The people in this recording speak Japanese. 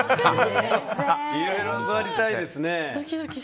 いろいろ教わりたいですね。